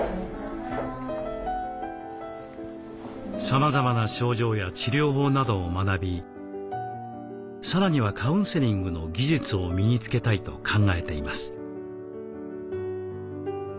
さまざまな症状や治療法などを学びさらにはカウンセリングの技術を身につけたいと考えています。